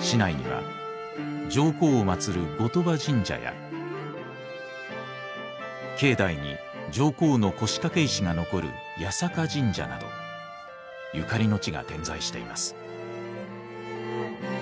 市内には上皇を祭る後鳥羽神社や境内に上皇の腰掛石が残る八坂神社などゆかりの地が点在しています。